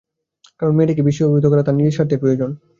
কারণ মেয়েটিকে বিস্ময়ে অভিভূত করা তাঁর নিজের স্বার্থেই প্রয়োজন।